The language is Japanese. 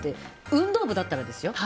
運動部だったらですよ。